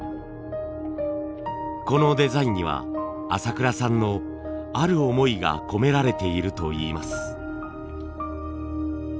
このデザインには朝倉さんのある思いが込められているといいます。